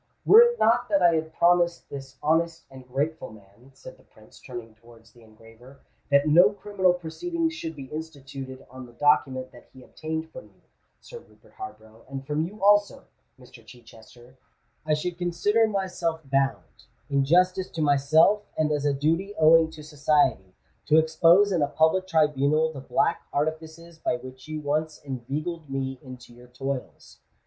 "Were it not that I had promised this honest and grateful man," said the Prince, turning towards the engraver, "that no criminal proceedings should be instituted on the document that he obtained from you, Sir Rupert Harborough, and from you also, Mr. Chichester, I should consider myself bound, in justice to myself and as a duty owing to society, to expose in a public tribunal the black artifices by which you once inveigled me into your toils.